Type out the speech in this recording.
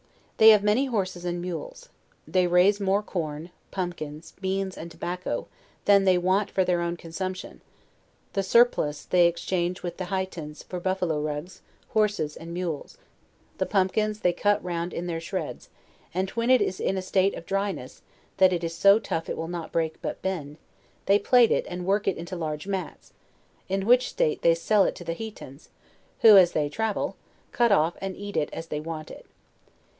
They have many horses and mules. They raise more corn, pumpkins, beans and tobacco, than they want for their own consumption; the surplusage they exchange with the Hie tans for buffalo rugs, horses, and mules; the pumpkins they cut round in their shreads, and when it is in a state of dry ness, that it is so tough it will not break but bend, they plait and work it into large mats, in which state they sell it to the Hietans. who as they travel, cut off und eat it as they want it.